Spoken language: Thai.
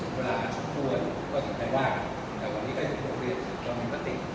เวลาส่วนก็ถึงพัฒนาหว่างแต่วันนี้ก็ใดพัฒนามาติ